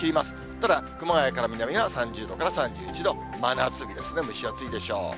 ただ、熊谷から南が３０度から３１度、真夏日ですね、蒸し暑いでしょう。